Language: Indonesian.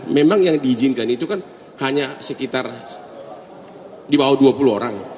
memang yang diizinkan itu kan hanya sekitar di bawah dua puluh orang